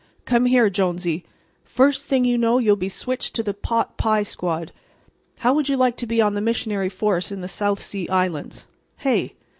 "Come here, Jonesy. First thing you know you'll be switched to the pot pie squad. How would you like to be on the missionary force in the South Sea Islands—hey?